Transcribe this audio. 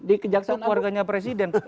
itu keluarganya presiden